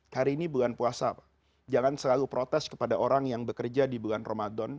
hari ini bulan puasa jangan selalu protes kepada orang yang bekerja di bulan ramadan